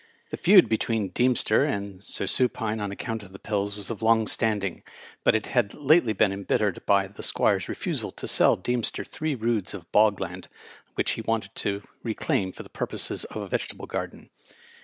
The feud between Deemster and Sir Snpine, on account of the pills, was of long standing, but it had lately been embittered by the Squire's refusal to sell Deemster three roods of bog land, which he wanted to reclaim for the purposes of a vegetable garden.